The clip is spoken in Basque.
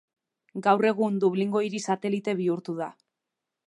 Gaur egun Dublingo hiri satelite bihurtu da.